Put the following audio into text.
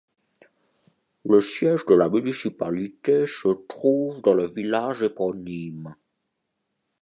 Le siège de la municipalité se trouve dans le village éponyme.